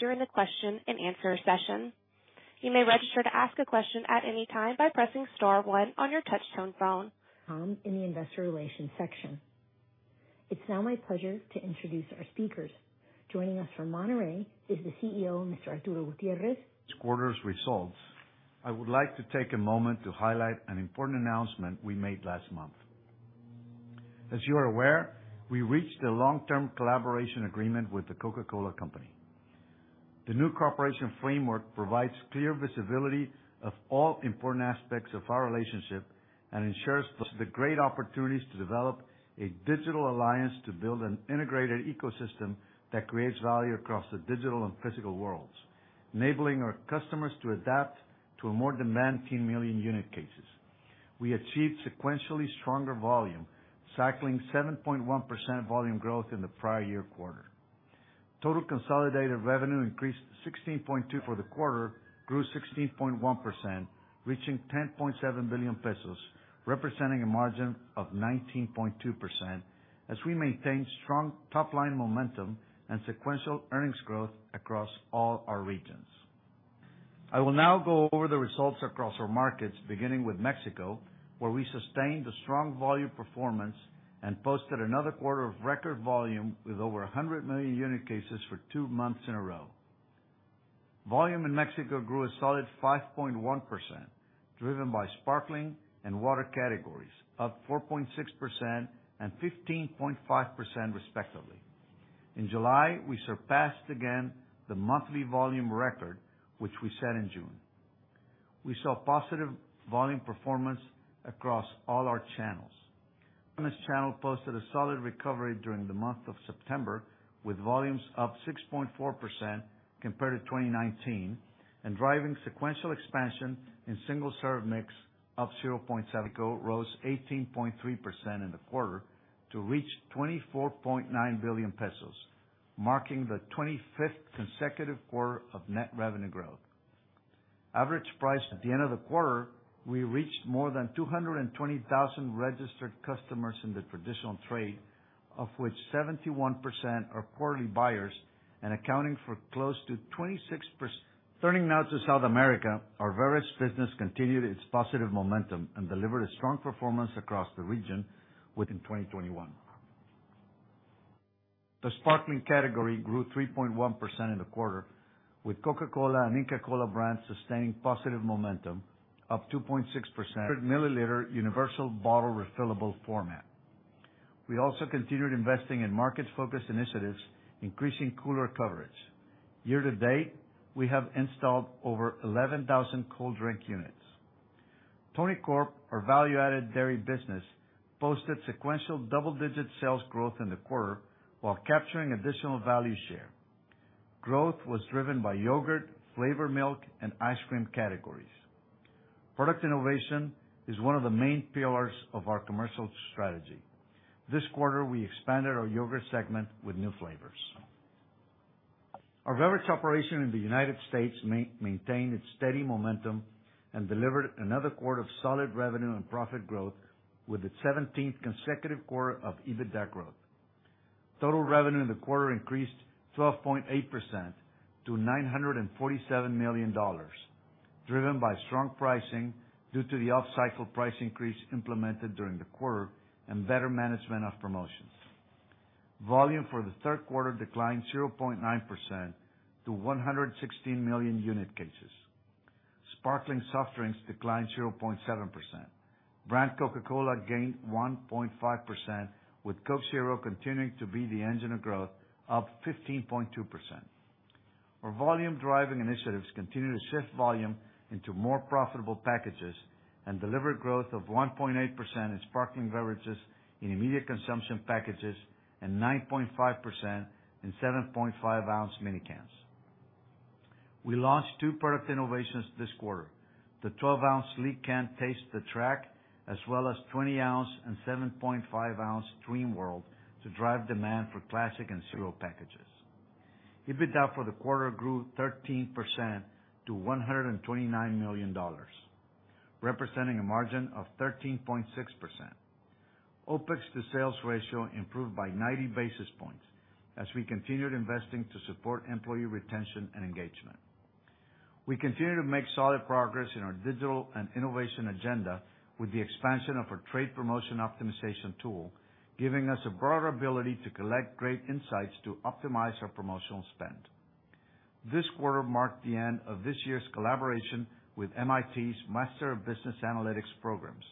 During the question and answer session. You may register to ask a question at any time by pressing star one on your touchtone phone. In the investor relations section. It's now my pleasure to introduce our speakers. Joining us from Monterrey is the Chief Executive Officer, Mr. Arturo Gutiérrez. This quarter's results, I would like to take a moment to highlight an important announcement we made last month. As you are aware, we reached a long-term commercial agreement with The Coca-Cola Company. The new cooperation framework provides clear visibility of all important aspects of our relationship and ensures the great opportunities to develop a digital alliance to build an integrated ecosystem that creates value across the digital and physical worlds, enabling our customers to adapt to a more demanding million unit cases. We achieved sequentially stronger volume, cycling 7.1% volume growth in the prior year quarter. Total consolidated revenue for the quarter grew 16.1%, reaching 10.7 billion pesos, representing a margin of 19.2% as we maintain strong top-line momentum and sequential earnings growth across all our regions. I will now go over the results across our markets, beginning with Mexico, where we sustained a strong volume performance and posted another quarter of record volume with over 100 million unit cases for two months in a row. Volume in Mexico grew a solid 5.1%, driven by sparkling and water categories, up 4.6% and 15.5% respectively. In July, we surpassed again the monthly volume record which we set in June. We saw positive volume performance across all our channels. Channel posted a solid recovery during the month of September, with volumes up 6.4% compared to 2019, and driving sequential expansion in single serve mix up 0.7. Mexico rose 18.3% in the quarter to reach 24.9 billion pesos, marking the 25th consecutive quarter of net revenue growth. Average price. At the end of the quarter, we reached more than 220,000 registered customers in the traditional trade, of which 71% are quarterly buyers and accounting for close to 26%. Turning now to South America. Our various businesses continued its positive momentum and delivered a strong performance across the region within 2021. The sparkling category grew 3.1% in the quarter, with Coca-Cola and Inca Kola brands sustaining positive momentum up 2.6%. Milliliter Universal Bottle refillable format. We also continued investing in market-focused initiatives, increasing cooler coverage. Year-to-date, we have installed over 11,000 cold drink units. Tonicorp, our value-added dairy business, posted sequential double-digit sales growth in the quarter while capturing additional value share. Growth was driven by yogurt, flavored milk, and ice cream categories. Product innovation is one of the main pillars of our commercial strategy. This quarter, we expanded our yogurt segment with new flavors. Our beverage operation in the United States maintained its steady momentum and delivered another quarter of solid revenue and profit growth with its seventeenth consecutive quarter of EBITDA growth. Total revenue in the quarter increased 12.8% to $947 million, driven by strong pricing due to the off-cycle price increase implemented during the quarter and better management of promotions. Volume for the third quarter declined 0.9% to 116 million unit cases. Sparkling soft drinks declined 0.7%. Brand Coca-Cola gained 1.5%, with Coke Zero continuing to be the engine of growth, up 15.2%. Our volume driving initiatives continue to shift volume into more profitable packages and deliver growth of 1.8% in sparkling beverages in immediate consumption packages and 9.5% in 7.5-ounce mini cans. We launched two product innovations this quarter, the 12-ounce sleek can Taste the Track, as well as 20-ounce and 7.5-ounce Dreamworld to drive demand for classic and zero packages. EBITDA for the quarter grew 13% to $129 million, representing a margin of 13.6%. OpEx to sales ratio improved by 90 basis points as we continued investing to support employee retention and engagement. We continue to make solid progress in our digital and innovation agenda with the expansion of our trade promotion optimization tool, giving us a broader ability to collect great insights to optimize our promotional spend. This quarter marked the end of this year's collaboration with MIT's Master of Business Analytics programs.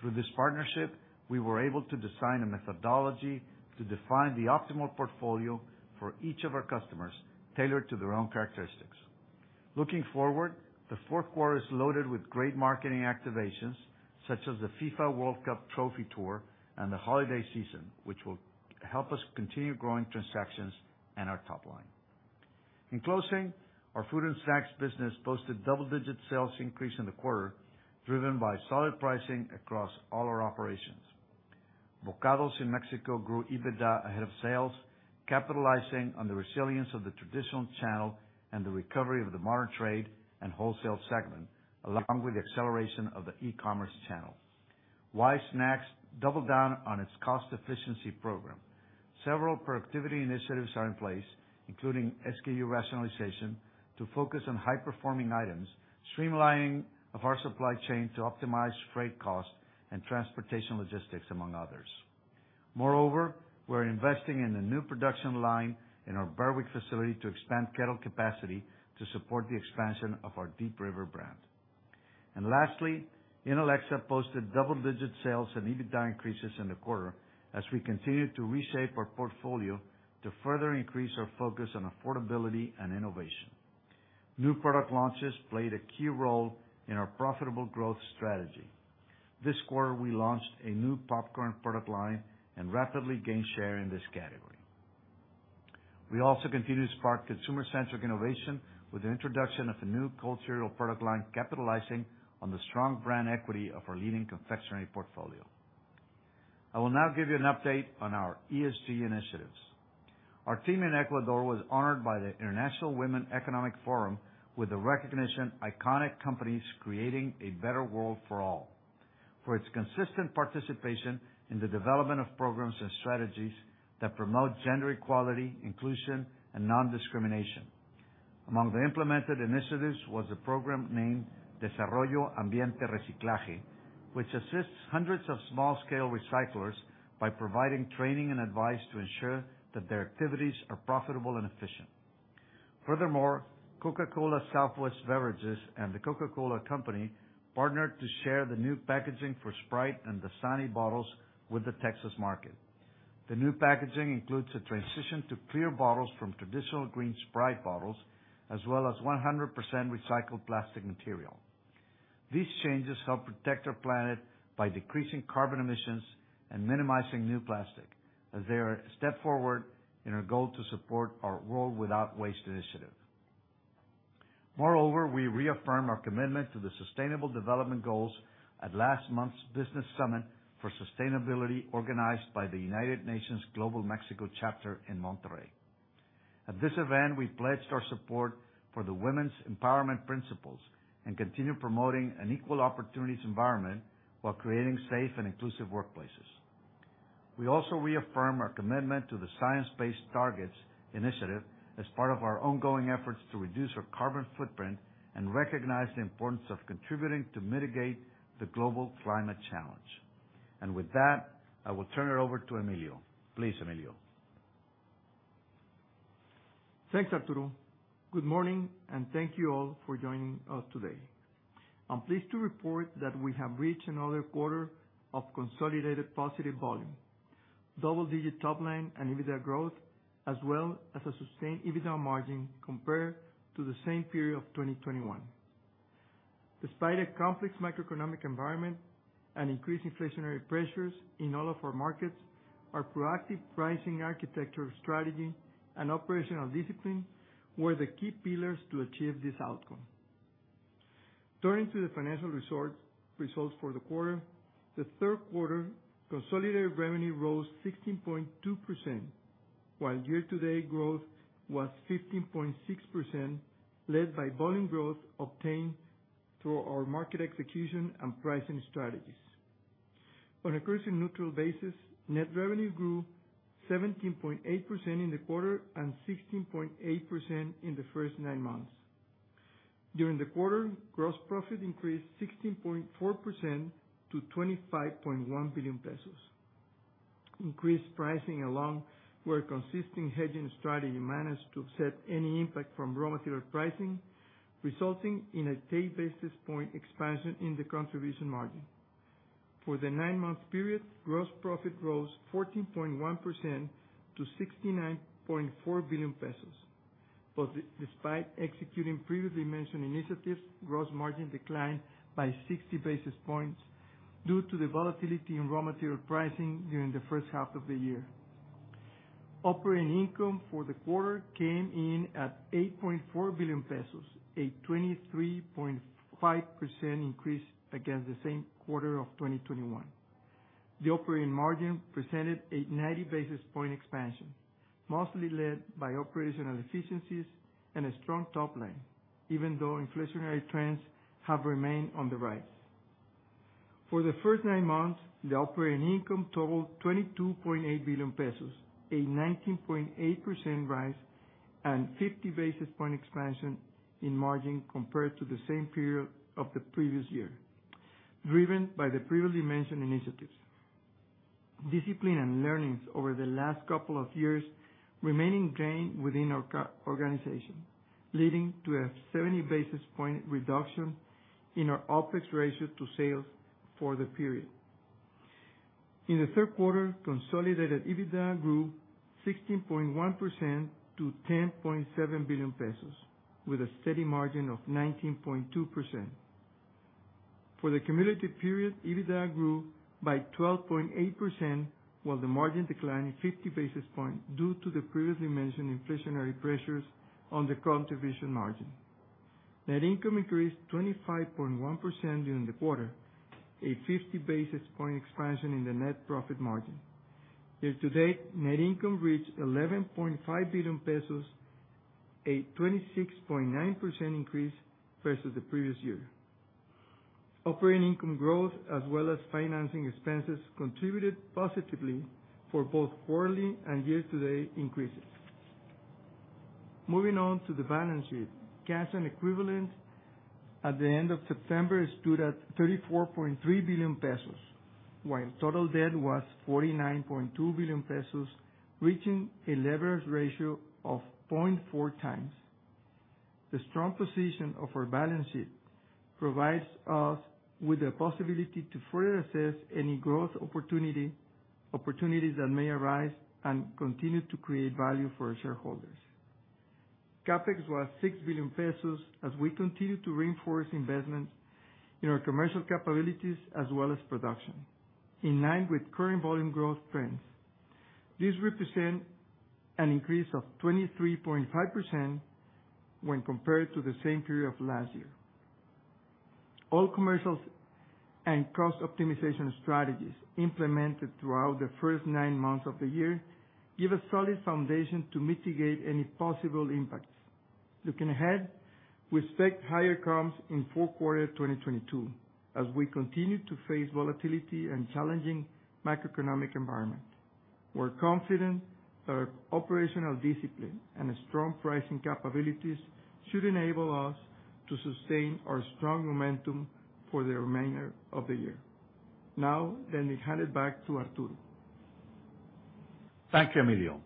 Through this partnership, we were able to design a methodology to define the optimal portfolio for each of our customers tailored to their own characteristics. Looking forward, the fourth quarter is loaded with great marketing activations such as the FIFA World Cup Trophy Tour and the holiday season, which will help us continue growing transactions and our top line. In closing, our food and snacks business posted double-digit sales increase in the quarter, driven by solid pricing across all our operations. Bokados in Mexico grew EBITDA ahead of sales, capitalizing on the resilience of the traditional channel and the recovery of the modern trade and wholesale segment, along with the acceleration of the e-commerce channel. Wise Snacks doubled down on its cost efficiency program. Several productivity initiatives are in place, including SKU rationalization to focus on high-performing items, streamlining of our supply chain to optimize freight costs and transportation logistics, among others. Moreover, we're investing in a new production line in our Berwick facility to expand kettle capacity to support the expansion of our Deep River brand. Lastly, Inalecsa posted double-digit sales and EBITDA increases in the quarter as we continue to reshape our portfolio to further increase our focus on affordability and innovation. New product launches played a key role in our profitable growth strategy. This quarter, we launched a new popcorn product line and rapidly gained share in this category. We also continue to spark consumer-centric innovation with the introduction of a new cultural product line, capitalizing on the strong brand equity of our leading confectionery portfolio. I will now give you an update on our ESG initiatives. Our team in Ecuador was honored by the Women Economic Forum with the recognition Iconic Companies Creating a Better World for All for its consistent participation in the development of programs and strategies that promote gender equality, inclusion, and non-discrimination. Among the implemented initiatives was a program named Desarrollo, Ambiente y Reciclaje, which assists hundreds of small-scale recyclers by providing training and advice to ensure that their activities are profitable and efficient. Furthermore, Coca-Cola Southwest Beverages and The Coca-Cola Company partnered to share the new packaging for Sprite and DASANI bottles with the Texas market. The new packaging includes a transition to clear bottles from traditional green Sprite bottles, as well as 100% recycled plastic material. These changes help protect our planet by decreasing carbon emissions and minimizing new plastic, as they are a step forward in our goal to support our World Without Waste initiative. Moreover, we reaffirm our commitment to the Sustainable Development Goals at last month's Business Summit for Sustainability, organized by the United Nations Global Compact Mexico chapter in Monterrey. At this event, we pledged our support for the Women's Empowerment Principles and continue promoting an equal opportunities environment while creating safe and inclusive workplaces. We also reaffirm our commitment to the Science Based Targets initiative as part of our ongoing efforts to reduce our carbon footprint and recognize the importance of contributing to mitigate the global climate challenge. With that, I will turn it over to Emilio. Please, Emilio. Thanks, Arturo. Good morning, and thank you all for joining us today. I'm pleased to report that we have reached another quarter of consolidated positive volume, double-digit top line and EBITDA growth, as well as a sustained EBITDA margin compared to the same period of 2021. Despite a complex macroeconomic environment and increased inflationary pressures in all of our markets, our proactive pricing architecture strategy and operational discipline were the key pillars to achieve this outcome. Turning to the financial results for the quarter, the third quarter consolidated revenue rose 16.2%, while year-to-date growth was 15.6%, led by volume growth obtained through our market execution and pricing strategies. On a currency-neutral basis, net revenue grew 17.8% in the quarter and 16.8% in the first nine months. During the quarter, gross profit increased 16.4% to 25.1 billion pesos. Increased pricing along with our consistent hedging strategy managed to offset any impact from raw material pricing, resulting in an 8 basis points expansion in the contribution margin. For the nine-month period, gross profit rose 14.1% to 69.4 billion pesos. Despite executing previously mentioned initiatives, gross margin declined by 60 basis points due to the volatility in raw material pricing during the first half of the year. Operating income for the quarter came in at 8.4 billion pesos, a 23.5% increase against the same quarter of 2021. The operating margin presented a 90 basis points expansion, mostly led by operational efficiencies and a strong top line, even though inflationary trends have remained on the rise. For the first 9 months, the operating income totaled 22.8 billion pesos, a 19.8% rise and 50 basis points expansion in margin compared to the same period of the previous year, driven by the previously mentioned initiatives. Discipline and learnings over the last couple of years remain ingrained within our organization, leading to a 70 basis points reduction in our OpEx ratio to sales for the period. In the third quarter, consolidated EBITDA grew 16.1% to 10.7 billion pesos with a steady margin of 19.2%. For the cumulative period, EBITDA grew by 12.8%, while the margin declined 50 basis points due to the previously mentioned inflationary pressures on the contribution margin. Net income increased 25.1% during the quarter, a 50 basis points expansion in the net profit margin. Year-to-date, net income reached 11.5 billion pesos. A 26.9% increase versus the previous year. Operating income growth, as well as financing expenses, contributed positively for both quarterly and year-to-date increases. Moving on to the balance sheet. Cash and equivalents at the end of September stood at 34.3 billion pesos, while total debt was 49.2 billion pesos, reaching a leverage ratio of 0.4x. The strong position of our balance sheet provides us with the possibility to further assess any growth opportunities that may arise and continue to create value for our shareholders. CapEx was 6 billion pesos as we continue to reinforce investments in our commercial capabilities as well as production, in line with current volume growth trends. These represent an increase of 23.5% when compared to the same period of last year. All commercials and cost optimization strategies implemented throughout the first nine months of the year give a solid foundation to mitigate any possible impacts. Looking ahead, we expect higher comps in fourth quarter of 2022, as we continue to face volatility and challenging macroeconomic environment. We're confident that our operational discipline and strong pricing capabilities should enable us to sustain our strong momentum for the remainder of the year. Now, let me hand it back to Arturo. Thank you, Emilio.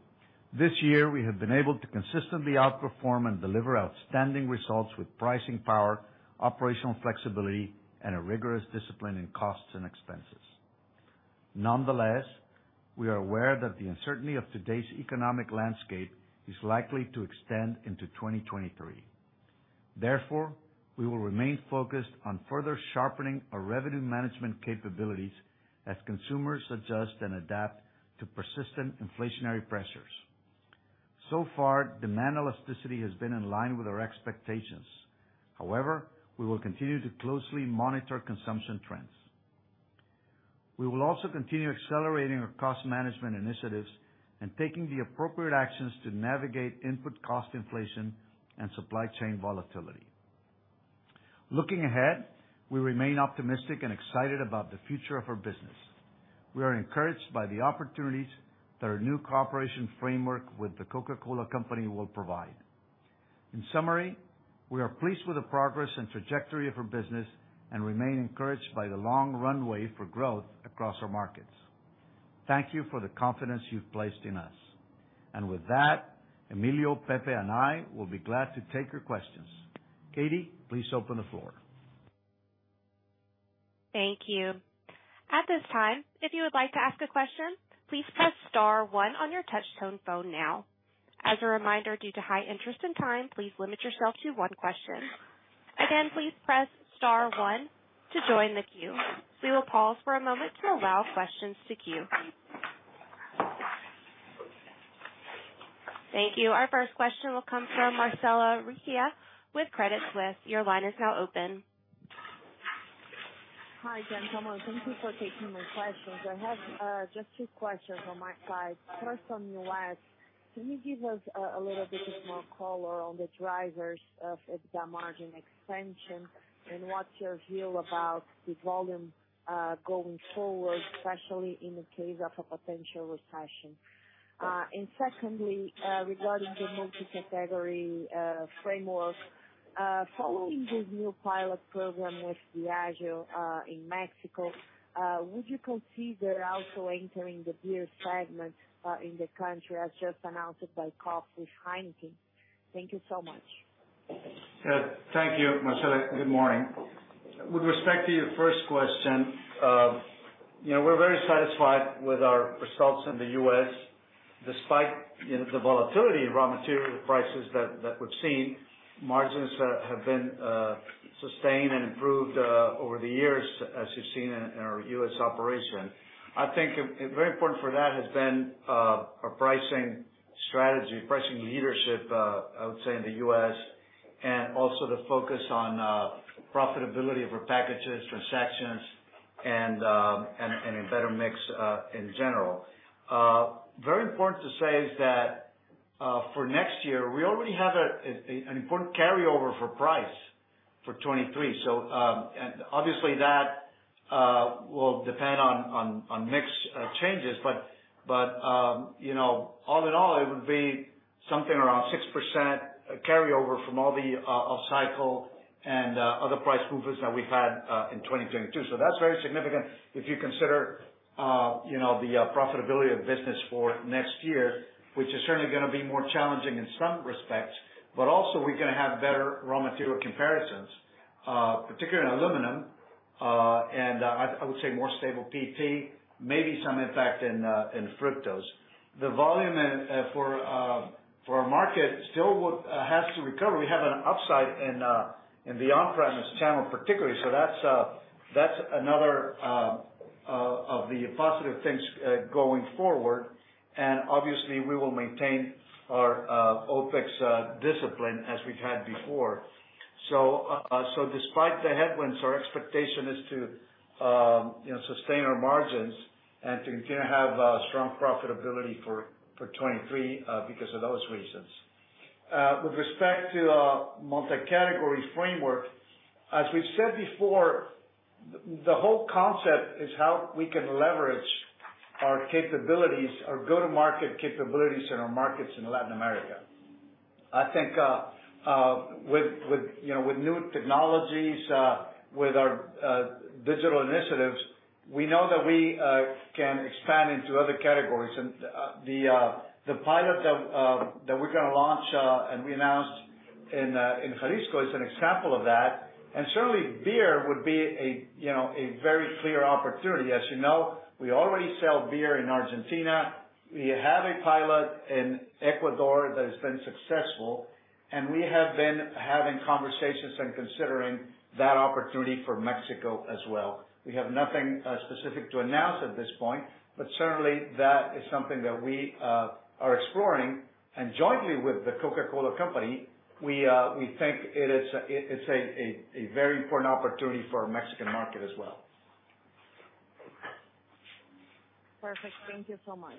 This year we have been able to consistently outperform and deliver outstanding results with pricing power, operational flexibility, and a rigorous discipline in costs and expenses. Nonetheless, we are aware that the uncertainty of today's economic landscape is likely to extend into 2023. Therefore, we will remain focused on further sharpening our revenue management capabilities as consumers adjust and adapt to persistent inflationary pressures. So far, demand elasticity has been in line with our expectations. However, we will continue to closely monitor consumption trends. We will also continue accelerating our cost management initiatives and taking the appropriate actions to navigate input cost inflation and supply chain volatility. Looking ahead, we remain optimistic and excited about the future of our business. We are encouraged by the opportunities that our new cooperation framework with The Coca-Cola Company will provide. In summary, we are pleased with the progress and trajectory of our business and remain encouraged by the long runway for growth across our markets. Thank you for the confidence you've placed in us. With that, Emilio, Pepe, and I will be glad to take your questions. Katie, please open the floor. Thank you. At this time, if you would like to ask a question, please press star one on your touch-tone phone now. As a reminder, due to high interest and time, please limit yourself to one question. Again, please press star one to join the queue. We will pause for a moment to allow questions to queue. Thank you. Our first question will come from Marcella Recchia with Credit Suisse. Your line is now open. Hi, gentlemen. Thank you for taking my questions. I have just two questions on my side. First, on the last, can you give us a little bit more color on the drivers of EBITDA margin expansion, and what's your view about the volume going forward, especially in the case of a potential recession? Second, regarding the multi-category framework, following this new pilot program with Diageo in Mexico, would you consider also entering the beer segment in the country, as just announced by Coke with Heineken? Thank you so much. Thank you, Marcella. Good morning. With respect to your first question, you know, we're very satisfied with our results in the U.S., despite, you know, the volatility in raw material prices that we've seen. Margins have been sustained and improved over the years, as you've seen in our U.S. operation. I think a very important for that has been our pricing strategy, pricing leadership, I would say in the U.S. and also the focus on profitability of our packages, transactions and a better mix in general. Very important to say is that, for next year, we already have an important carryover for price for 2023. And obviously that will depend on mix changes. You know, all in all, it would be something around 6% carryover from all the off-cycle and other price movers that we've had in 2022. That's very significant if you consider you know, the profitability of business for next year, which is certainly gonna be more challenging in some respects. Also, we're gonna have better raw material comparisons, particularly in aluminum. I would say more stable PET, maybe some impact in fructose. The volume for our market still has to recover. We have an upside in the on-premise channel particularly. That's another of the positive things going forward. Obviously, we will maintain our OpEx discipline as we've had before. Despite the headwinds, our expectation is to, you know, sustain our margins and to continue to have strong profitability for 2023 because of those reasons. With respect to our multi-category framework, as we've said before, the whole concept is how we can leverage our capabilities, our go-to-market capabilities in our markets in Latin America. I think with, you know, with new technologies, with our digital initiatives, we know that we can expand into other categories. The pilot that we're gonna launch, and we announced in Jalisco is an example of that. Certainly beer would be a, you know, a very clear opportunity. As you know, we already sell beer in Argentina. We have a pilot in Ecuador that has been successful, and we have been having conversations and considering that opportunity for Mexico as well. We have nothing specific to announce at this point, but certainly that is something that we are exploring. Jointly with the Coca-Cola Company, we think it is a very important opportunity for our Mexican market as well. Perfect. Thank you so much.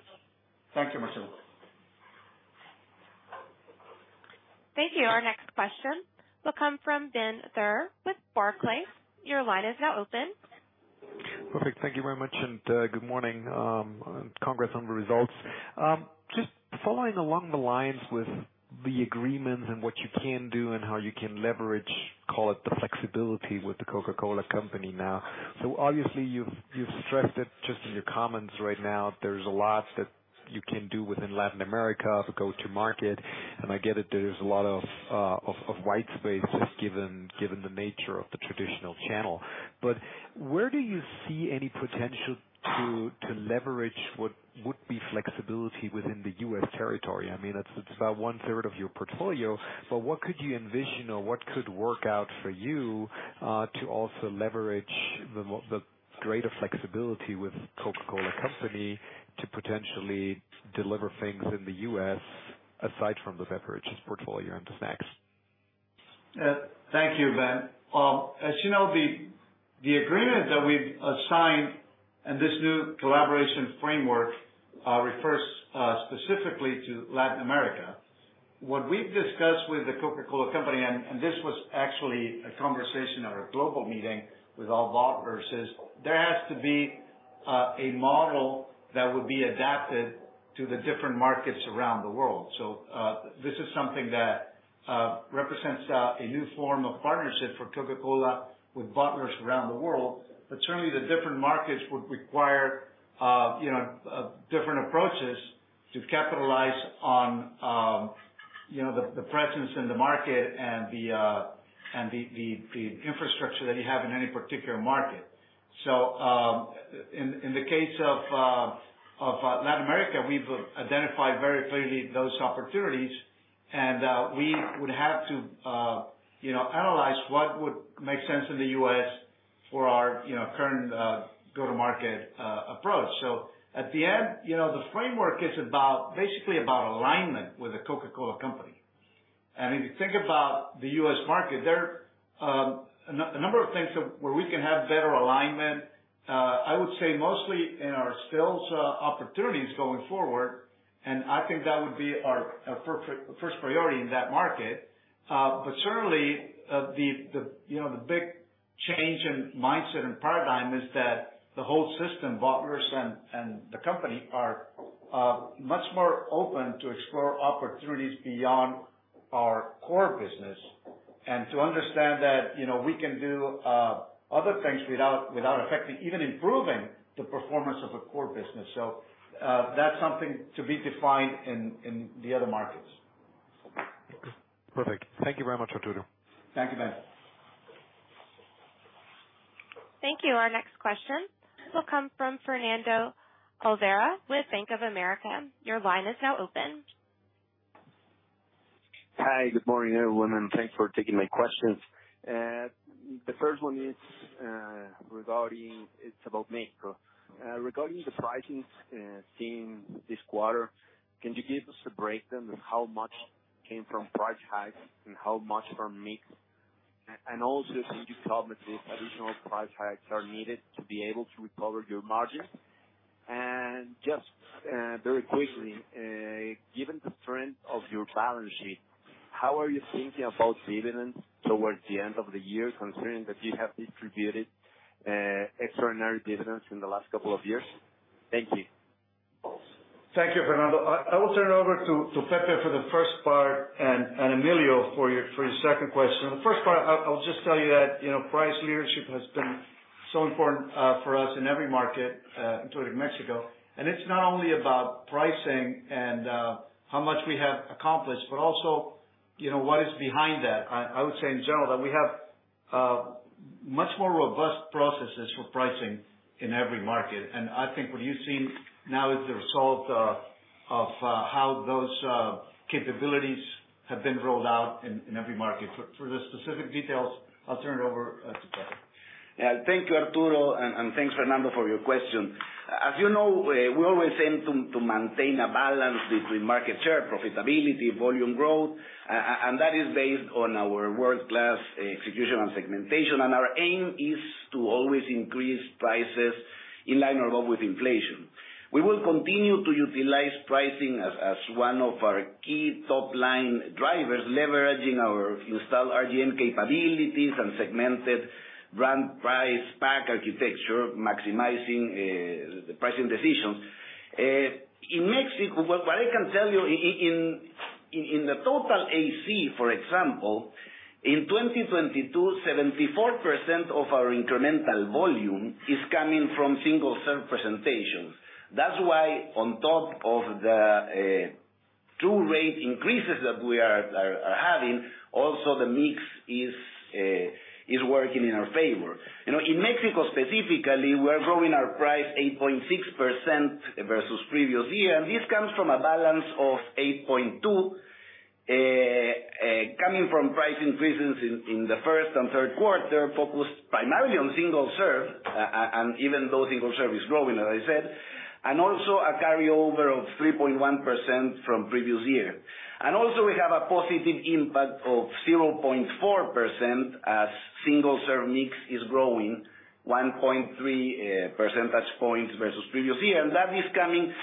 Thank you, Marcella. Thank you. Our next question will come from Benjamin Theurer with Barclays. Your line is now open. Perfect. Thank you very much, and good morning. Congrats on the results. Just following along the lines with the agreement and what you can do and how you can leverage, call it the flexibility, with The Coca-Cola Company now. Obviously you've stressed it just in your comments right now, there's a lot that you can do within Latin America for go-to-market, and I get it, there's a lot of white space just given the nature of the traditional channel. Where do you see any potential to leverage what would be flexibility within the U.S. territory? I mean, it's about one third of your portfolio, but what could you envision or what could work out for you, to also leverage the greater flexibility with The Coca-Cola Company to potentially deliver things in the U.S., aside from the beverages portfolio and the snacks? Thank you, Ben. As you know, the agreement that we've signed and this new collaboration framework refers specifically to Latin America. What we've discussed with the Coca-Cola Company, and this was actually a conversation at a global meeting with all bottlers, is there has to be a model that would be adapted to the different markets around the world. This is something that represents a new form of partnership for Coca-Cola with bottlers around the world. Certainly the different markets would require you know different approaches to capitalize on you know the presence in the market and the infrastructure that you have in any particular market. In the case of Latin America, we've identified very clearly those opportunities. We would have to, you know, analyze what would make sense in the U.S. for our, you know, current, go-to-market, approach. At the end, you know, the framework is about basically about alignment with the Coca-Cola Company. If you think about the U.S. market there, a number of things where we can have better alignment, I would say mostly in our stills, opportunities going forward, and I think that would be our first priority in that market. Certainly, the big change in mindset and paradigm is that the whole system bottlers and the company are much more open to explore opportunities beyond our core business. To understand that, you know, we can do other things without affecting, even improving the performance of the core business. That's something to be defined in the other markets. Perfect. Thank you very much, Arturo. Thank you, Ben. Thank you. Our next question will come from Fernando Olvera with Bank of America. Your line is now open. Hi. Good morning, everyone, and thanks for taking my questions. The first one is. It's about Mexico. Regarding the pricing seen this quarter, can you give us a breakdown of how much came from price hikes and how much from mix? And also, can you comment if additional price hikes are needed to be able to recover your margins? Just very quickly, given the strength of your balance sheet, how are you thinking about dividends towards the end of the year, considering that you have distributed extraordinary dividends in the last couple of years? Thank you. Thank you, Fernando. I will turn it over to Pepe for the first part and Emilio for your second question. The first part, I'll just tell you that, you know, price leadership has been so important for us in every market, including Mexico. It's not only about pricing and how much we have accomplished, but also, you know, what is behind that. I would say in general that we have much more robust processes for pricing in every market. I think what you've seen now is the result of how those capabilities have been rolled out in every market. For the specific details, I'll turn it over to Pepe. Yeah. Thank you, Arturo, and thanks Fernando for your question. As you know, we always aim to maintain a balance between market share, profitability, volume growth. That is based on our world-class execution and segmentation. Our aim is to always increase prices in line or above with inflation. We will continue to utilize pricing as one of our key top line drivers, leveraging our installed RGM capabilities and segmented brand price pack architecture, maximizing the pricing decisions. In Mexico, what I can tell you in the total AC, for example, in 2022, 74% of our incremental volume is coming from single serve presentations. That's why on top of the true rate increases that we are having, also the mix is working in our favor. You know, in Mexico specifically, we're growing our price 8.6% versus previous year, and this comes from a balance of 8.2% coming from price increases in the first and third quarter, focused primarily on single serve, and even though single serve is growing, as I said, and also a carryover of 3.1% from previous year. We have a positive impact of 0.4% as single serve mix is growing 1.3 percentage points versus previous year. That is coming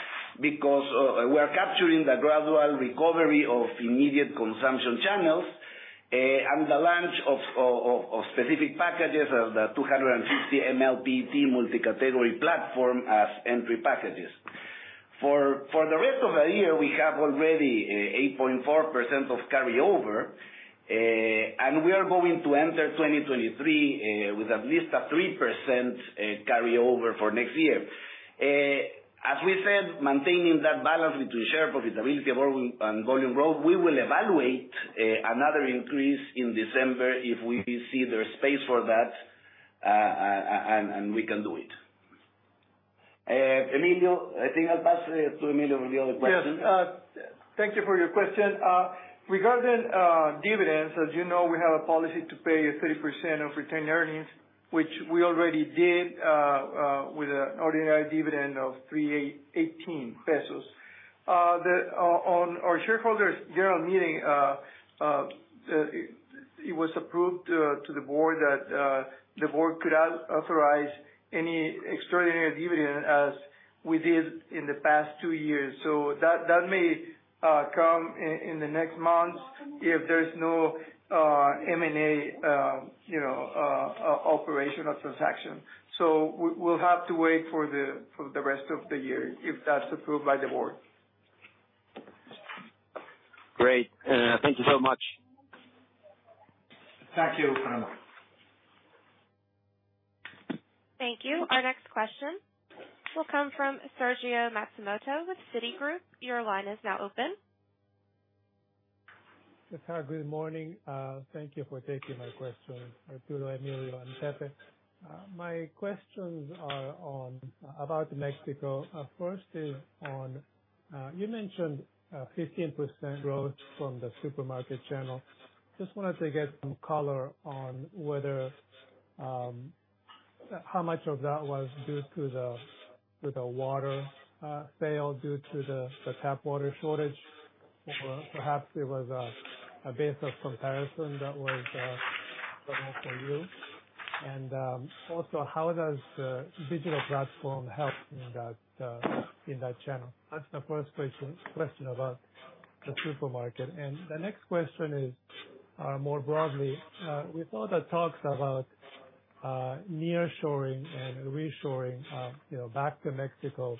because we are capturing the gradual recovery of immediate consumption channels and the launch of specific packages of the 250 mL multi-category platform as entry packages. For the rest of the year, we have already 8.4% of carryover. We are going to enter 2023 with at least a 3% carryover for next year. As we said, maintaining that balance between share profitability and volume growth, we will evaluate another increase in December if we see there's space for that, and we can do it. Emilio, I think I'll pass it to Emilio with the other question. Yes. Thank you for your question. Regarding dividends, as you know, we have a policy to pay 30% of retained earnings, which we already did with an ordinary dividend of 388 pesos. On our shareholders' general meeting, it was approved to the board that the board could authorize any extraordinary dividend as we did in the past two years. That may come in the next months if there's no M&A, you know, operational transaction. We'll have to wait for the rest of the year, if that's approved by the board. Great. Thank you so much. Thank you, Fernando. Thank you. Our next question will come from Sergio Matsumoto with Citigroup. Your line is now open. Yes, hi. Good morning. Thank you for taking my question, Arturo, Emilio, and Pepe. My questions are on about Mexico. First is on you mentioned 15% growth from the supermarket channel. Just wanted to get some color on whether, how much of that was due to the water sale due to the tap water shortage or perhaps it was a base of comparison that was normal for you. Also how does the digital platform help in that channel? That's the first question about the supermarket. The next question is more broadly. With all the talks about nearshoring and reshoring, you know, back to Mexico,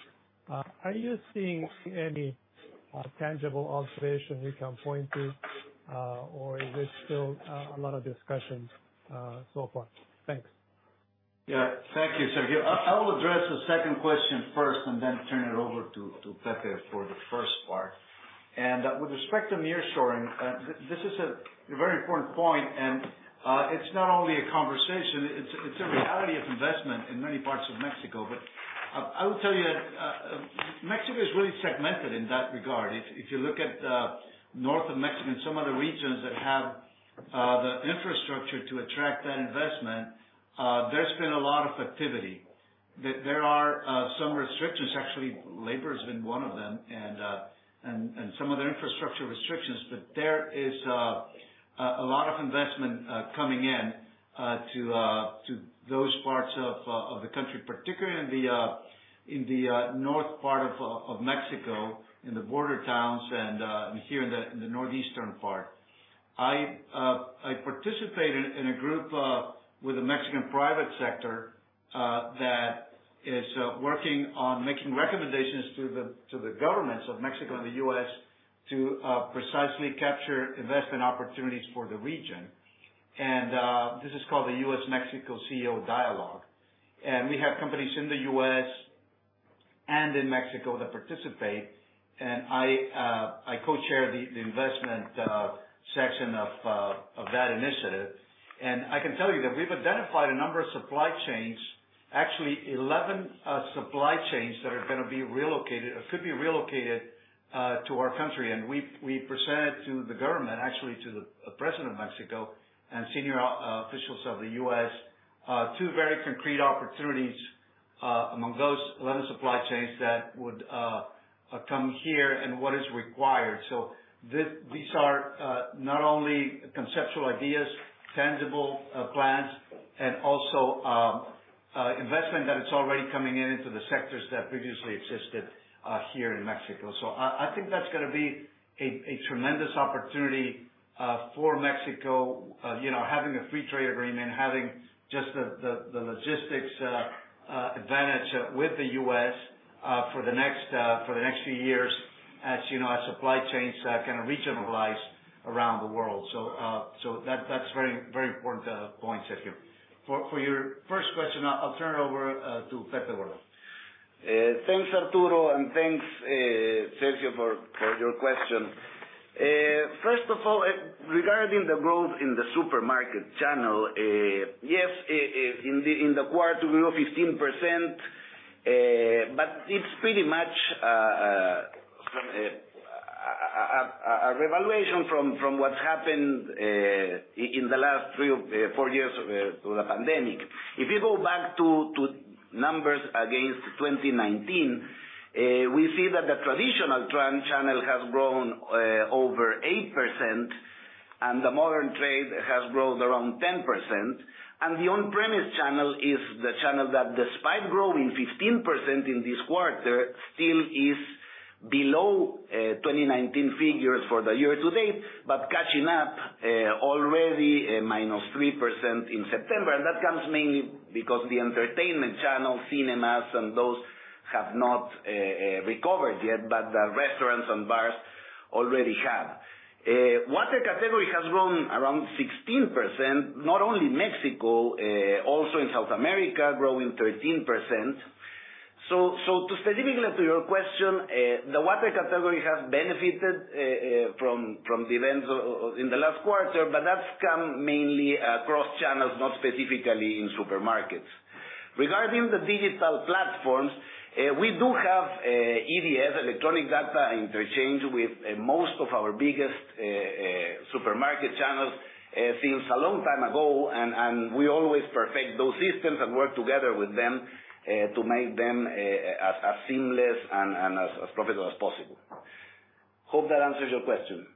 are you seeing any tangible observation you can point to, or is it still a lot of discussions so far? Thanks. Yeah. Thank you, Sergio. I will address the second question first and then turn it over to Pepe for the first part. With respect to nearshoring, this is a very important point, and it's not only a conversation, it's a reality of investment in many parts of Mexico. I will tell you, Mexico is really segmented in that regard. If you look at north of Mexico and some other regions that have the infrastructure to attract that investment, there's been a lot of activity. There are some restrictions. Actually, labor has been one of them and some other infrastructure restrictions. There is a lot of investment coming in to those parts of the country, particularly in the north part of Mexico, in the border towns and here in the northeastern part. I participated in a group with the Mexican private sector that is working on making recommendations to the governments of Mexico and the U.S. to precisely capture investment opportunities for the region. This is called the U.S.-Mexico CEO Dialogue. We have companies in the U.S. and in Mexico that participate, and I co-chair the investment section of that initiative. I can tell you that we've identified a number of supply chains. Actually 11 supply chains that are gonna be relocated or could be relocated to our country. We presented to the government, actually to the President of Mexico and senior officials of the U.S., two very concrete opportunities among those 11 supply chains that would come here and what is required. These are not only conceptual ideas, tangible plans, and also investment that it's already coming in into the sectors that previously existed here in Mexico. I think that's gonna be a tremendous opportunity for Mexico, you know, having a free trade agreement, having just the logistics advantage with the U.S. for the next few years as you know as supply chains kind of regionalize around the world. That's a very, very important point, Sergio. For your first question, I'll turn it over to Pepe Borda. Thanks Arturo, and thanks, Sergio, for your question. First of all, regarding the growth in the supermarket channel, yes, in the quarter to grow 15%, but it's pretty much from a revaluation from what's happened in the last three or four years with the pandemic. If you go back to numbers against 2019, we see that the traditional trade channel has grown over 8%, and the modern trade has grown around 10%. The on-premise channel is the channel that despite growing 15% in this quarter, still is below 2019 figures for the year to date. But catching up, already -3% in September. That comes mainly because the entertainment channels, cinemas, and those have not recovered yet. The restaurants and bars already have. Water category has grown around 16%, not only in Mexico, also in South America, growing 13%. To specifically to your question, the water category has benefited from the events in the last quarter, but that's come mainly across channels, not specifically in supermarkets. Regarding the digital platforms, we do have EDI, Electronic Data Interchange, with most of our biggest supermarket channels since a long time ago. And we always perfect those systems and work together with them to make them as seamless and as profitable as possible. Hope that answers your question.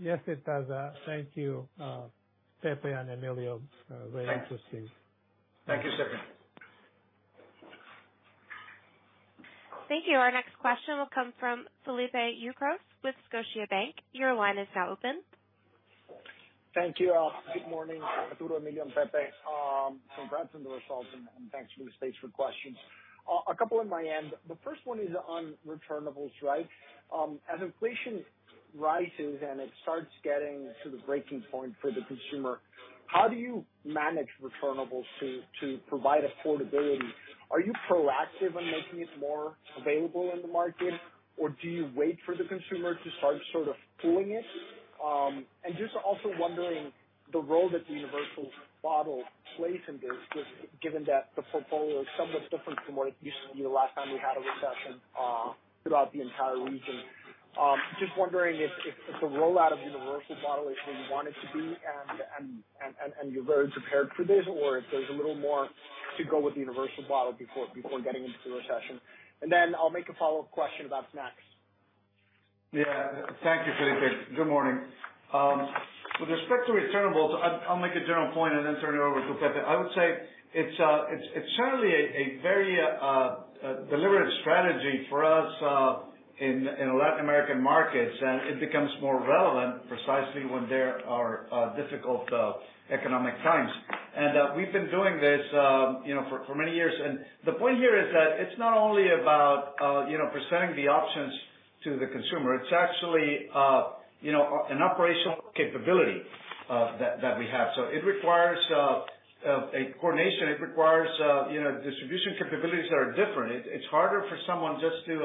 Yes, it does. Thank you, Pepe and Emilio. Very interesting. Thank you, Sergio. Thank you. Our next question will come from Felipe Ucros with Scotiabank. Your line is now open. Thank you. Good morning, Arturo, Emilio and Pepe. Congrats on the results and thanks for the space for questions. A couple on my end. The first one is on returnables, right? As inflation rises and it starts getting to the breaking point for the consumer, how do you manage returnables to provide affordability? Are you proactive in making it more available in the market, or do you wait for the consumer to start sort of pulling it? And just also wondering the role that the Universal Bottle plays in this, given that the portfolio is somewhat different from what it used to be the last time we had a recession, throughout the entire region. Just wondering if the rollout of Universal Bottle is where you want it to be and you're very prepared for this or if there's a little more to go with the Universal Bottle before getting into the recession. Then I'll make a follow-up question about snacks. Yeah. Thank you, Felipe. Good morning. With respect to returnables, I'll make a general point and then turn it over to Pepe. I would say it's certainly a very deliberate strategy for us in Latin American markets, and it becomes more relevant precisely when there are difficult economic times. We've been doing this, you know, for many years. The point here is that it's not only about, you know, presenting the options to the consumer. It's actually, you know, an operational capability that we have. It requires a coordination. It requires, you know, distribution capabilities that are different. It's harder for someone just to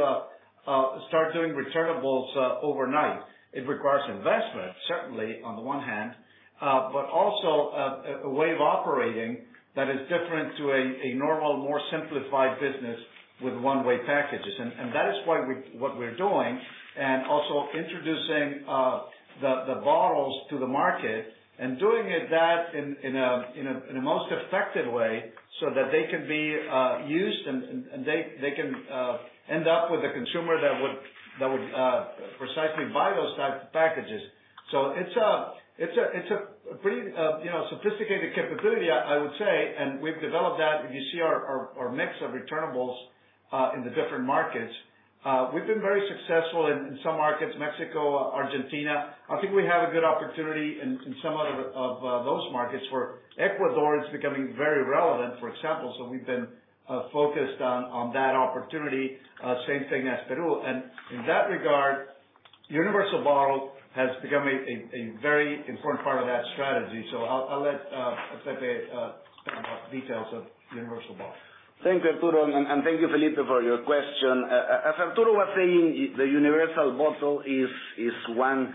start doing returnables overnight. It requires investment, certainly on the one hand, but also a way of operating that is different to a normal, more simplified business with one-way packages. That is why we're doing, and also introducing the bottles to the market and doing it in a most effective way so that they can be used and they can end up with a consumer that would precisely buy those types of packages. It's a pretty, you know, sophisticated capability, I would say, and we've developed that. If you see our mix of returnables in the different markets, we've been very successful in some markets, Mexico, Argentina. I think we have a good opportunity in some of the other markets where Ecuador is becoming very relevant, for example. We've been focused on that opportunity. Same thing in Peru. In that regard, Universal Bottle has become a very important part of that strategy. I'll let Pepe share more details on that. Universal Bottle. Thank you, Arturo, and thank you, Felipe, for your question. As Arturo was saying, the Universal Bottle is one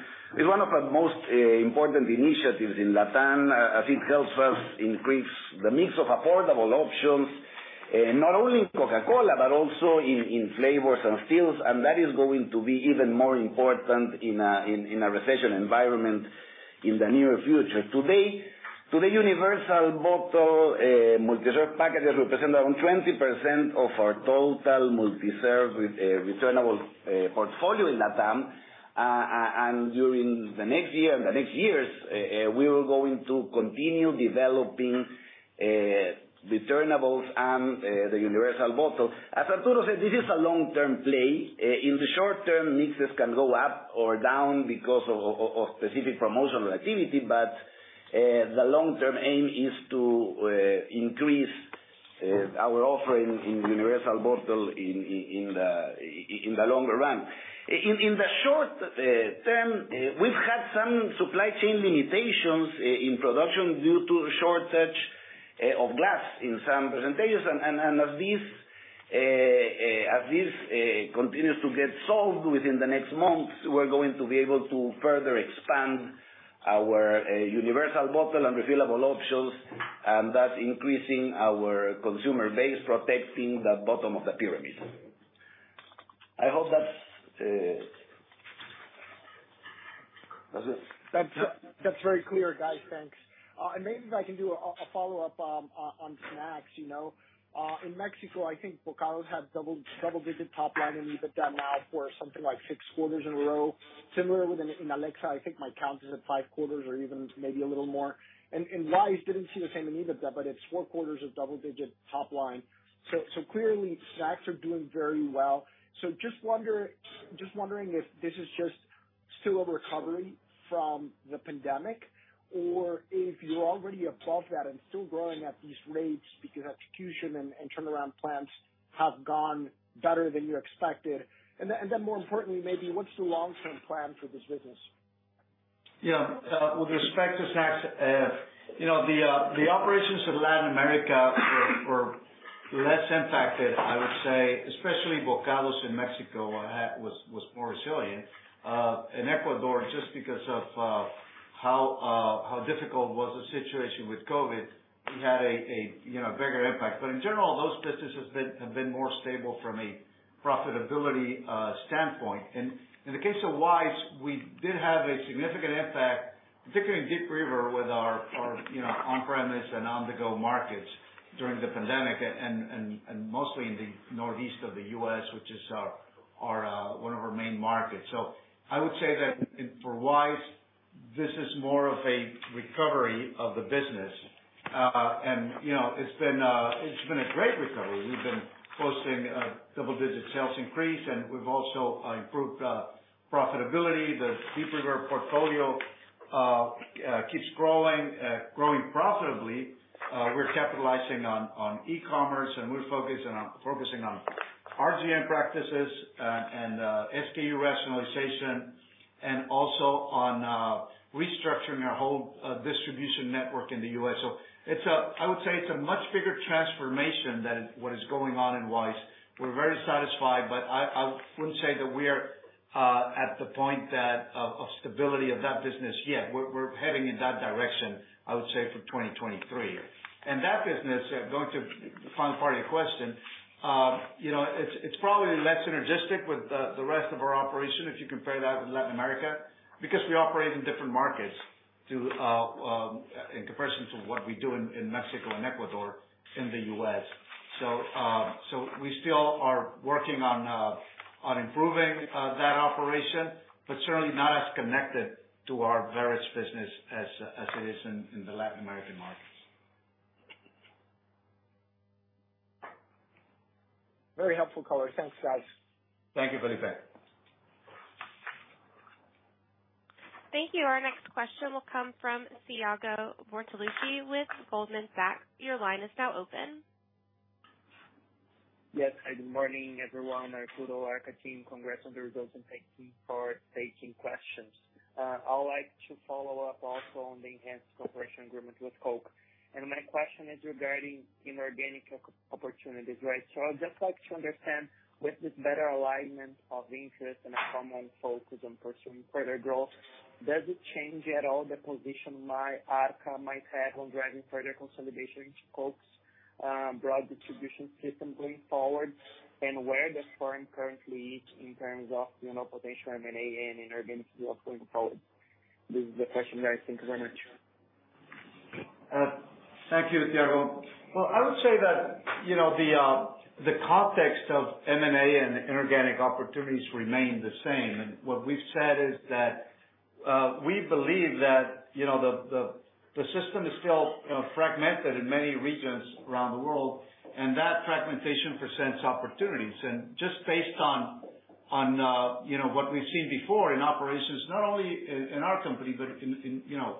of our most important initiatives in Latin, as it helps us increase the mix of affordable options, not only in Coca-Cola, but also in flavors and stills, and that is going to be even more important in a recession environment in the near future. Today, Universal Bottle multi-serve packages represent around 20% of our total multi-serve with returnable portfolio in Latin. During the next years, we are going to continue developing returnables and the Universal Bottle. As Arturo said, this is a long-term play. In the short term, mixes can go up or down because of specific promotional activity, the long term aim is to increase our offering in Universal Bottle in the longer run. In the short term, we've had some supply chain limitations in production due to a shortage of glass in some presentations. As this continues to get solved within the next months, we're going to be able to further expand our Universal Bottle and refillable options, and that's increasing our consumer base, protecting the bottom of the pyramid. I hope that's. That's it. That's very clear, guys. Thanks. Maybe if I can do a follow-up on snacks, you know. In Mexico, I think Bokados had double-digit top line in EBITDA for something like six quarters in a row. Similar with Inalecsa, I think my count is at five quarters or even maybe a little more. And Wise didn't see the same in EBITDA, but it's four quarters of double-digit top line. So clearly snacks are doing very well. Just wondering if this is just still a recovery from the pandemic or if you're already above that and still growing at these rates because execution and turnaround plans have gone better than you expected. Then more importantly, maybe what's the long-term plan for this business? Yeah. With respect to snacks, you know, the operations in Latin America were less impacted, I would say, especially Bokados in Mexico was more resilient. In Ecuador, just because of how difficult was the situation with COVID, we had a, you know, bigger impact. In general, those businesses have been more stable from a profitability standpoint. In the case of Wise, we did have a significant impact, particularly in Deep River, with our, you know, on-premise and on-the-go markets during the pandemic and mostly in the northeast of the U.S., which is our one of our main markets. I would say that in for Wise, this is more of a recovery of the business. You know, it's been a great recovery. We've been posting double-digit sales increase, and we've also improved profitability. The Deep River portfolio keeps growing profitably. We're capitalizing on e-commerce, and we're focusing on RGM practices and SKU rationalization and also on restructuring our whole distribution network in the U.S. I would say it's a much bigger transformation than what is going on in Wise. We're very satisfied, but I wouldn't say that we're at the point of stability of that business yet. We're heading in that direction, I would say for 2023. That business, going to the final part of your question, you know, it's probably less synergistic with the rest of our operation, if you compare that with Latin America, because we operate in different markets too, in comparison to what we do in Mexico and Ecuador in the U.S., we still are working on improving that operation, but certainly not as connected to our various business as it is in the Latin American markets. Very helpful color. Thanks, guys. Thank you, Felipe. Thank you. Our next question will come from Thiago Bortoluci with Goldman Sachs. Your line is now open. Yes, good morning, everyone. Arturo, Arca team, congrats on the results and thank you for taking questions. I would like to follow up also on the enhanced cooperation agreement with Coke. My question is regarding inorganic opportunities, right? I'd just like to understand, with this better alignment of interest and a common focus on pursuing further growth, does it change at all the position Arca might have on driving further consolidation into Coke's broad distribution system going forward? Where does Arca currently sit in terms of, you know, potential M&A and inorganic growth going forward? This is the question that I think is very material. Thank you, Thiago. Well, I would say that, you know, the context of M&A and inorganic opportunities remain the same. What we've said is that we believe that, you know, the system is still, you know, fragmented in many regions around the world, and that fragmentation presents opportunities. Just based on, you know, what we've seen before in operations, not only in our company, but in, you know,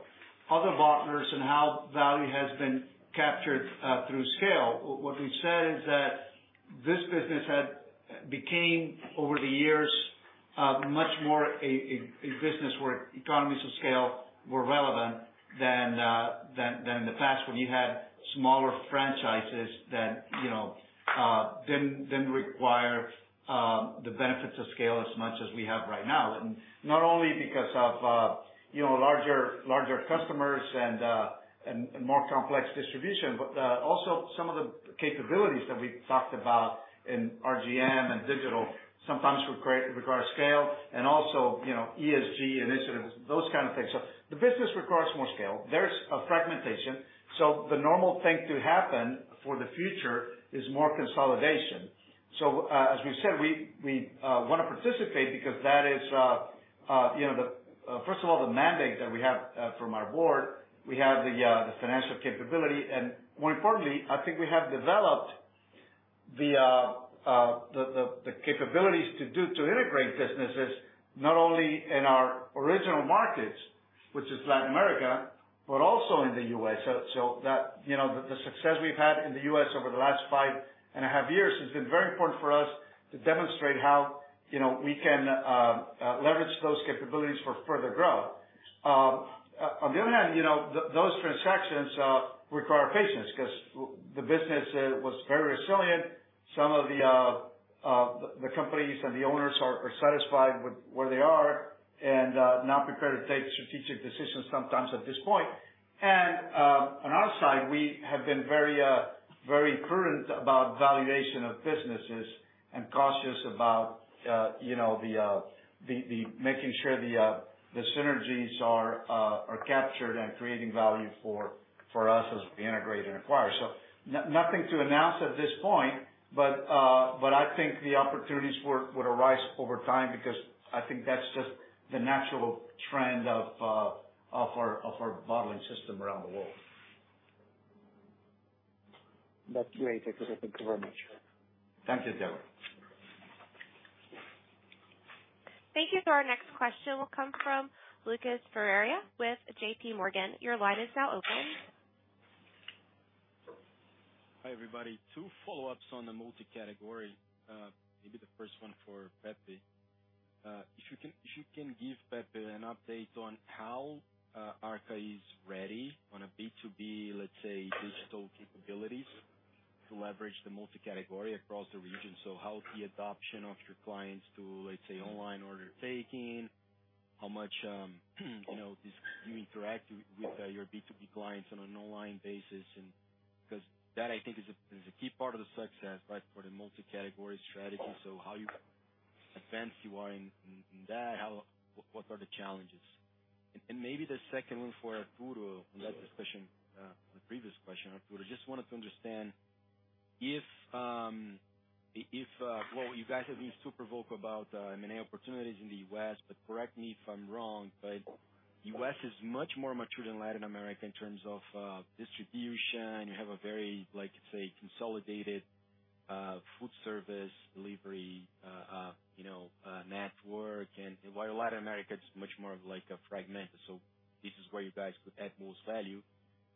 other partners and how value has been captured through scale, what we've said is that. This business had became, over the years, much more a business where economies of scale were relevant than the past when you had smaller franchises that, you know, didn't require the benefits of scale as much as we have right now. Not only because of, you know, larger customers and more complex distribution, but also some of the capabilities that we talked about in RGM and digital sometimes require scale and also, you know, ESG initiatives, those kind of things. The business requires more scale. There's a fragmentation, so the normal thing to happen for the future is more consolidation. As we said, we wanna participate because that is the first of all, the mandate that we have from our board. We have the financial capability, and more importantly, I think we have developed the capabilities to integrate businesses, not only in our original markets, which is Latin America, but also in the U.S. That, you know, the success we've had in the U.S. over the last five and a half years has been very important for us to demonstrate how, you know, we can leverage those capabilities for further growth. On the other hand, you know, those transactions require patience 'cause the business was very resilient. Some of the companies and the owners are satisfied with where they are and not prepared to take strategic decisions sometimes at this point. On our side, we have been very prudent about valuation of businesses and cautious about, you know, making sure the synergies are captured and creating value for us as we integrate and acquire. Nothing to announce at this point, but I think the opportunities will arise over time because I think that's just the natural trend of our bottling system around the world. That's great. Thank you very much. Thank you, Thiago. Thank you. Our next question will come from Lucas Ferreira with JP Morgan. Your line is now open. Hi, everybody. Two follow-ups on the multi-category. Maybe the first one for Pepe. If you can give, Pepe, an update on how Arca is ready on a B2B, let's say, digital capabilities to leverage the multi-category across the region. How is the adoption of your clients to, let's say, online order taking? How much do you interact with your B2B clients on an online basis and 'Cause that I think is a key part of the success, right? For the multi-category strategy. How advanced you are in that, what are the challenges? And maybe the second one for Arturo on that discussion, the previous question, Arturo. Just wanted to understand if, well, you guys have been super vocal about, M&A opportunities in the U.S., but correct me if I'm wrong, but U.S. is much more mature than Latin America in terms of, distribution. You have a very, like, say, consolidated, food service delivery, you know, network. While Latin America is much more of like a fragmented, so this is where you guys could add most value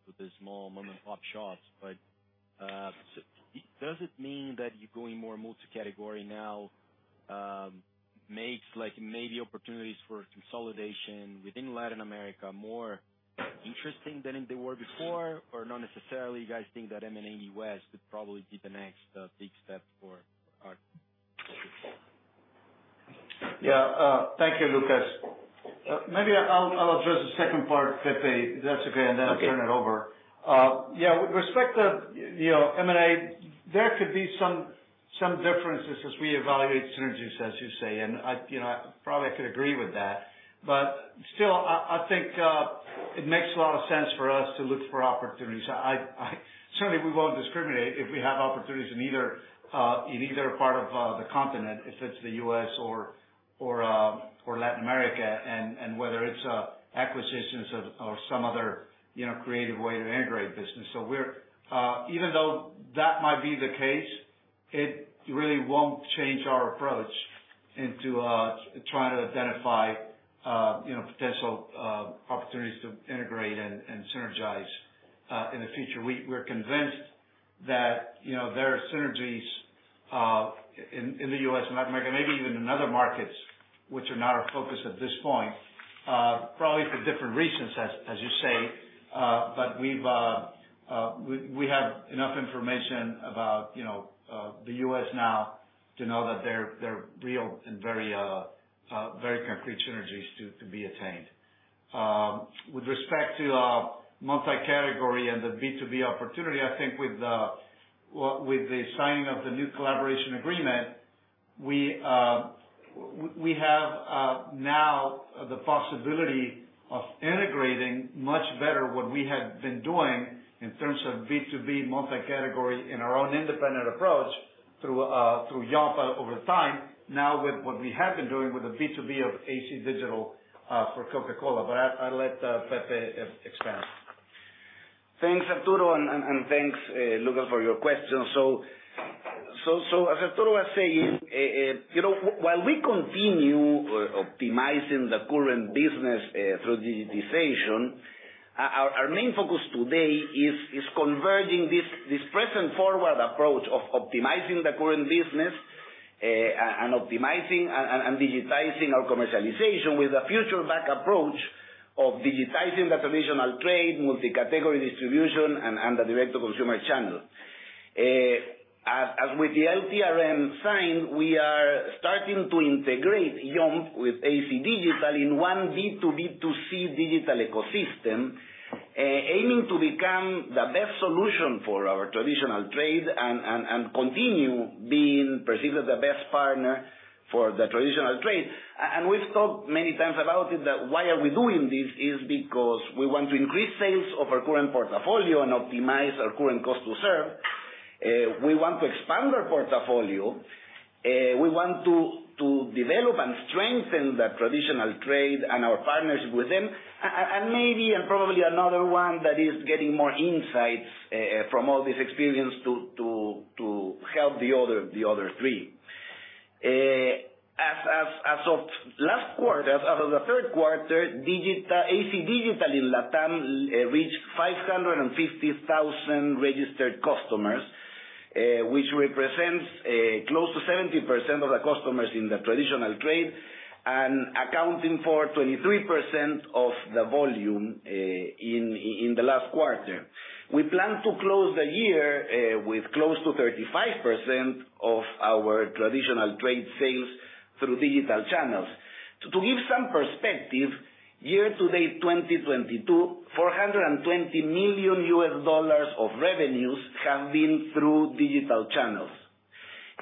with the small mom-and-pop shops. But, does it mean that you going more multi-category now, makes like maybe opportunities for consolidation within Latin America more interesting than they were before? Or not necessarily you guys think that M&A U.S. would probably be the next, big step for Arca? Thank you, Lucas. Maybe I'll address the second part, Pepe, if that's okay, and then I'll turn it over. Yeah, with respect to, you know, M&A, there could be some differences as we evaluate synergies, as you say, and I'd, you know, probably I could agree with that. Still, I think it makes a lot of sense for us to look for opportunities. I certainly we won't discriminate if we have opportunities in either part of the continent, if it's the U.S. or Latin America and whether it's acquisitions or some other, you know, creative way to integrate business. We're even though that might be the case, it really won't change our approach into trying to identify you know potential opportunities to integrate and synergize in the future. We're convinced that you know there are synergies in the U.S. and Latin America, maybe even in other markets, which are not our focus at this point probably for different reasons, as you say. We have enough information about you know the U.S. now to know that there are real and very very concrete synergies to be attained. With respect to multi-category and the B2B opportunity, I think with the signing of the new collaboration agreement, we have now the possibility of integrating much better what we had been doing in terms of B2B multi-category in our own independent approach through Yomp! over time, now with what we have been doing with the B2B of AC Digital for Coca-Cola. I’ll let Pepe expand. Thanks, Arturo, and thanks, Lucas, for your question. As Arturo was saying, you know, while we continue optimizing the current business through digitization. Our main focus today is converging this present forward approach of optimizing the current business and optimizing and digitizing our commercialization with a future back approach of digitizing the traditional trade, multi-category distribution and the direct to consumer channel. As with the LTCA signing, we are starting to integrate Yomp! With AC Digital in one B2B2C digital ecosystem, aiming to become the best solution for our traditional trade and continue being perceived as the best partner for the traditional trade. We've talked many times about it that why are we doing this is because we want to increase sales of our current portfolio and optimize our current cost to serve. We want to expand our portfolio. We want to develop and strengthen the traditional trade and our partners with them. Maybe and probably another one that is getting more insights from all this experience to help the other three. As of the third quarter, AC Digital in LatAm reached 550,000 registered customers, which represents close to 70% of the customers in the traditional trade and accounting for 23% of the volume in the last quarter. We plan to close the year with close to 35% of our traditional trade sales through digital channels. To give some perspective, year to date, 2022, $420 million of revenues have been through digital channels.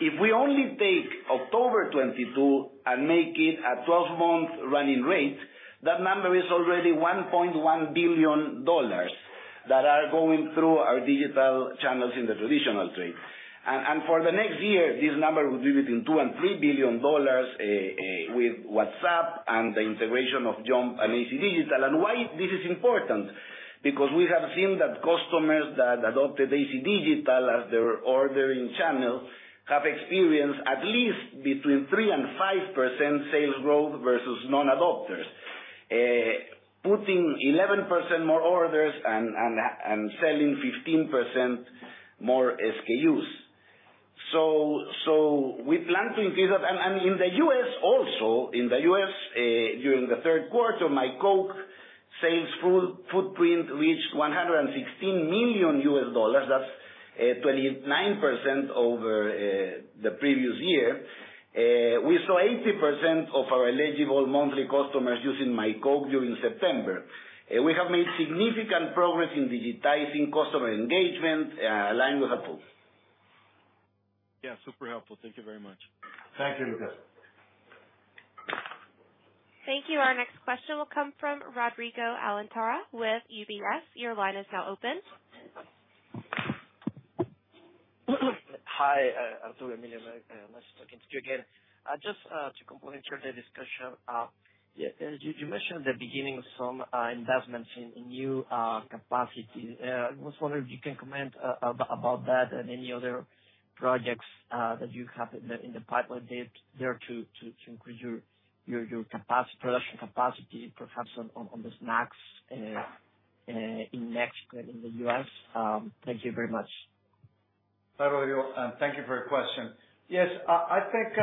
If we only take October 2022 and make it a 12-month running rate, that number is already $1.1 billion that are going through our digital channels in the traditional trade. For the next year, this number will be between $2 billion and $3 billion with WhatsApp and the integration of Yomp! and AC Digital. Why this is important, because we have seen that customers that adopted AC Digital as their ordering channel have experienced at least between 3% and 5% sales growth versus non-adopters, putting 11% more orders and selling 15% more SKUs. We plan to increase that. In the U.S. also, in the U.S., during the third quarter, myCoke sales footprint reached $116 million. That's 29% over the previous year. We saw 80% of our eligible monthly customers using myCoke during September. We have made significant progress in digitizing customer engagement, aligned with Apple. Yeah, super helpful. Thank you very much. Thank you, Lucas. Thank you. Our next question will come from Rodrigo Alcantara with UBS. Your line is now open. Hi, Arturo, Emilio. Nice talking to you again. Just to complement your day discussion. Yeah, you mentioned the beginning of some investments in new capacity. I was wondering if you can comment about that and any other projects that you have in the pipeline there to increase your production capacity, perhaps on the snacks in Mexico and in the U.S.. Thank you very much. Hi, Rodrigo, and thank you for your question. Yes, I think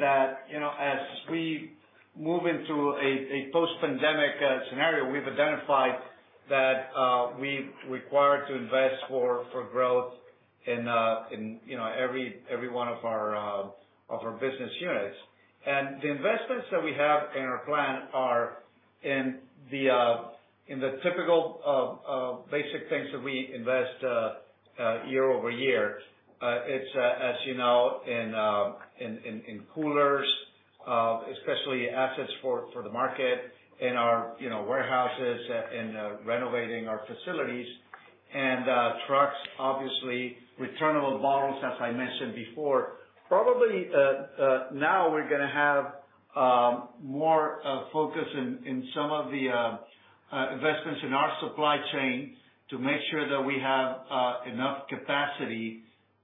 that you know as we move into a post-pandemic scenario, we've identified that we require to invest for growth in you know every one of our business units. The investments that we have in our plan are in the typical basic things that we invest year-over-year. It's as you know in coolers especially assets for the market in our you know warehouses in renovating our facilities and trucks obviously returnable bottles as I mentioned before. Probably, now we're gonna have more focus in some of the investments in our supply chain to make sure that we have enough capacity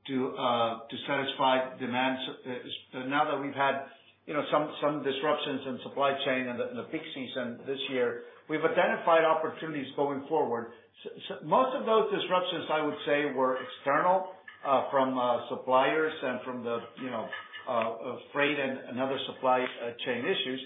to satisfy demand now that we've had, you know, some disruptions in supply chain and the peak season this year, we've identified opportunities going forward. Most of those disruptions, I would say, were external from suppliers and from the, you know, freight and other supply chain issues.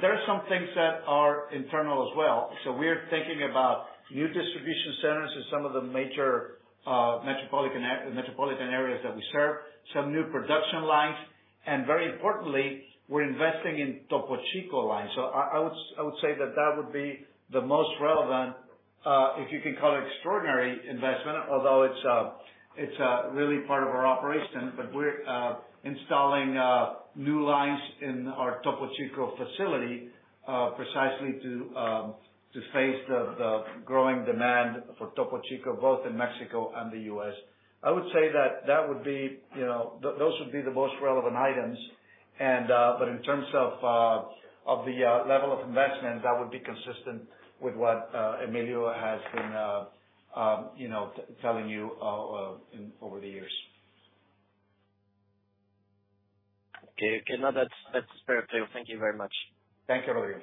There are some things that are internal as well. We're thinking about new distribution centers in some of the major metropolitan areas that we serve, some new production lines, and very importantly, we're investing in Topo Chico line. I would say that would be the most relevant, if you can call it extraordinary investment, although it's really part of our operation. We're installing new lines in our Topo Chico facility precisely to face the growing demand for Topo Chico, both in Mexico and the U.S. I would say that would be, you know, those would be the most relevant items. But in terms of the level of investment, that would be consistent with what Emilio has been, you know, telling you over the years. Okay, now that's very clear. Thank you very much. Thank you, Rodrigo.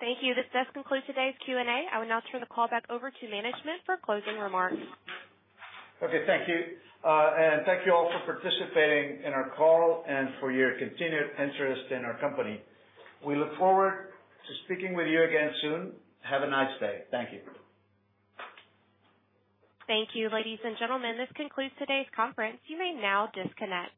Thank you. This does conclude today's Q&A. I will now turn the call back over to management for closing remarks. Okay. Thank you. Thank you all for participating in our call and for your continued interest in our company. We look forward to speaking with you again soon. Have a nice day. Thank you. Thank you, ladies and gentlemen, this concludes today's conference. You may now disconnect.